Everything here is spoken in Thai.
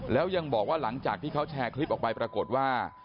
แล้วยังบอกว่าหลังจากที่เขาแชร์คลิปออกไปปรากฏว่า